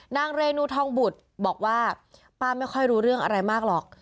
นางเรนูทองบุตรบอกว่าป้าไม่ค่อยรู้เรื่องอะไรมากหรอก